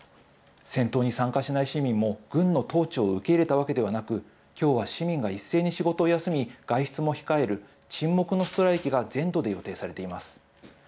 戦闘に参加しない市民も、軍の統治を受け入れたわけではなく、きょうは市民が一斉に仕事を休み、外出も控える沈黙のストライキが全土で予定されています。